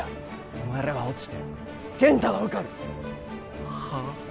お前らは落ちて健太は受かるはあ？